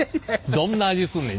どんな味すんねん。